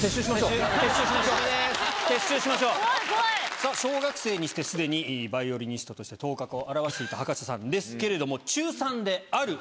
さぁ小学生にしてすでにバイオリニストとして頭角を現していた葉加瀬さんですけれども。